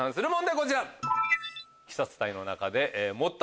こちら。